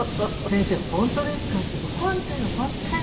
「先生本当ですか？」って言うと「本当よ本当よ！